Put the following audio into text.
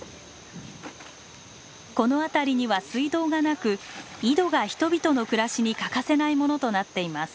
この辺りには水道がなく井戸が人々の暮らしに欠かせないものとなっています。